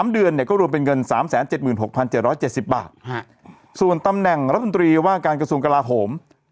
๓เดือนเนี่ยก็รวมเป็นเงิน๓๗๖๗๗๐บาทส่วนตำแหน่งรัฐมนตรีว่าการกระทรวงกลาโหม